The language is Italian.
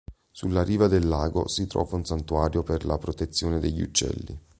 Sulla riva del lago si trova un santuario per la protezione degli uccelli.